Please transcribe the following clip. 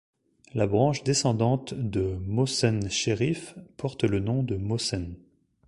La branche descendante de Mohsen Chérif porte le nom de Mohsen.